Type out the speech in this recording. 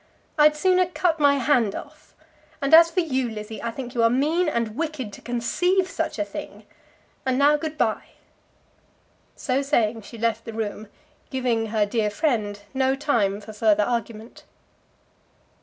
I'd sooner cut my hand off; and as for you, Lizzie I think you are mean and wicked to conceive such a thing. And now good bye." So saying, she left the room, giving her dear friend no time for further argument.